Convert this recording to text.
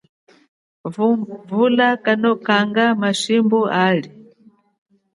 Vula kanokanga mashimbu ali.